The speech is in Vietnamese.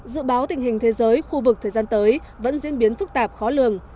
dự báo tình hình thế giới khu vực thời gian tới vẫn diễn biến phức tạp khó lường